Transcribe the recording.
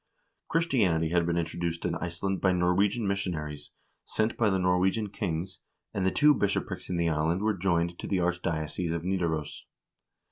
Christianity had been introduced in Iceland by Norwegian missionaries, sent by the Norwegian kings, and the two bishoprics in the island were joined to the archdiocese of Nidaros.